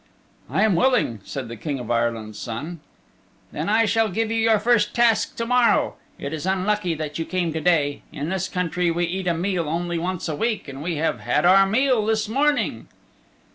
"I am willing," said the King of Ireland's Son. "Then I shall give you your first task to morrow. It is unlucky that you came to day. In this country we eat a meal only once a week, and we have had our meal this morning."